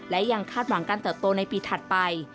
และยังคาดหวังการเติบโตในปีถัดไป